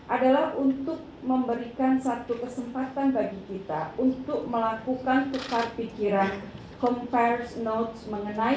adalah untuk memberikan satu kesempatan bagi kita untuk melakukan tekan pikiran mengenai